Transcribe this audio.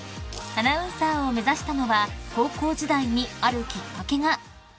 ［アナウンサーを目指したのは高校時代にあるきっかけが］